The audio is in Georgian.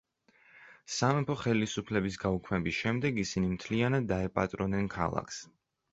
სამეფო ხელისუფლების გაუქმების შემდეგ ისინი მთლიანად დაეპატრონნენ ქალაქს.